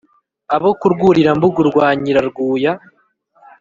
abo ku rwurira-mbugu rwa nyirarwuya